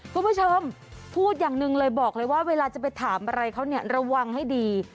คุณผู้ชมพูดอย่างหนึ่งเลยบอกเลยว่าเวลาจะไปถามอะไรเขาเนี่ยระวังให้ดี